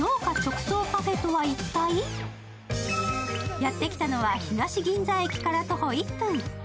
やって来たのは東銀座駅から徒歩１分。